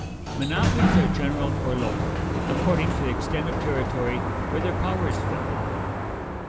Monopolies are general or local, according to the extent of territory where their power is felt.